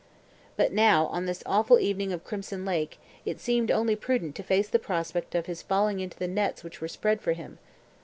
But now, on this awful evening of crimson lake, it seemed only prudent to face the prospect of his falling into the nets which were spread for him.